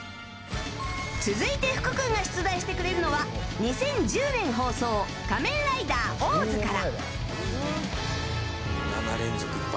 続いて福君が出題してくれるのは２０１０年放送「仮面ライダーオーズ／○○〇」から。